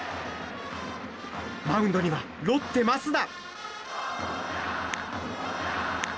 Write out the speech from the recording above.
マウンドにはロッテ、益田。